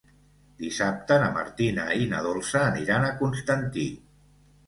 Dissabte na Martina i na Dolça aniran a Constantí.